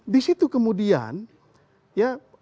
di situ kemudian ya